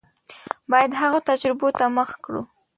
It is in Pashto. باید هغو تجربو ته مخه کړو.